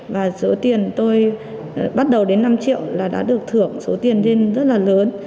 và số tiền tôi bắt đầu đến năm triệu là đã được thưởng số tiền lên rất là lớn